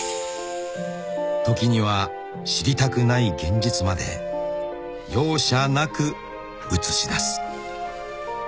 ［時には知りたくない現実まで容赦なく映し出す］